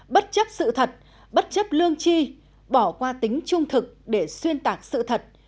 bất chấp sự thật bất chấp lương chi bỏ qua tính trung thực để xuyên tạc sự thật